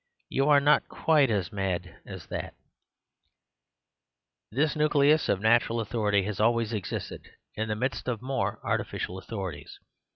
You are not quite so mad as that This nucleus of natural authority has al ways existed in the midst of more artificial authorities.